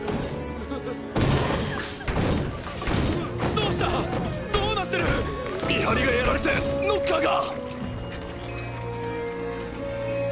どうした⁉どうなってる⁉見張りがやられてノッカーが！